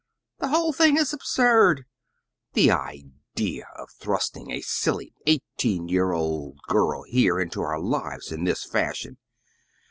The whole thing is absurd. The idea of thrusting a silly, eighteen year old girl here into our lives in this fashion!